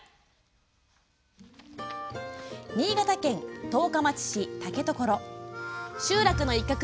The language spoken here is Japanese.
新潟県十日町市竹所。